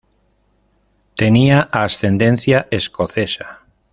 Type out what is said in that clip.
Tenía ascendencia escocesa.